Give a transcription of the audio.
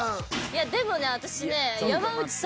でもね私ねなっ。